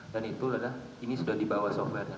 dan itu adalah ini sudah dibawa software nya